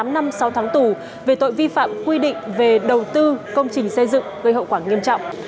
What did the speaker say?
tám năm sau tháng tù về tội vi phạm quy định về đầu tư công trình xây dựng gây hậu quả nghiêm trọng